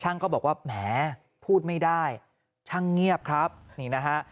ก็บอกว่าแหมพูดไม่ได้ช่างเงียบครับนี่นะฮะ